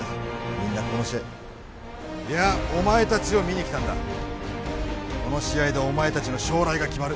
みんなこの試合いやお前達を見に来たんだこの試合でお前達の将来が決まる